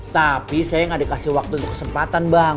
tapi saya gak dikasih waktu dan kesempatan bang